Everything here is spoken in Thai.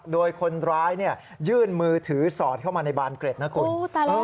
โดยคนร้ายยื่นมือถือสอดเข้ามาในบานเกร็ดนะคุณ